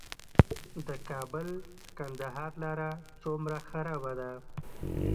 د کابل - کندهار لاره څومره خرابه ده؟